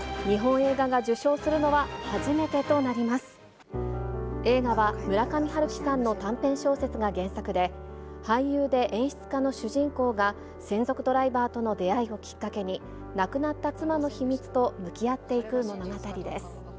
映画は、村上春樹さんの短編小説が原作で、俳優で演出家の主人公が、専属ドライバーとの出会いをきっかけに、亡くなった妻の秘密と向き合っていく物語です。